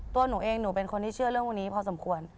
ตัวหนูเองหนูเป็นคนที่เชื่อเรื่องพวกนี้พอสมควร